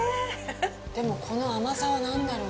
でも、この甘さは何だろう？